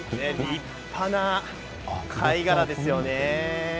立派な貝がらですよね。